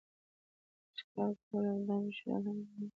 ښکار کول او دام ایښودل هم دوام لري